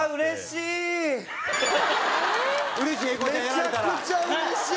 めちゃくちゃうれしい！